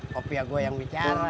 gak sampe opia gua yang bicara